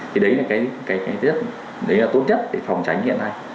thì đấy là tốt nhất để phòng tránh hiện nay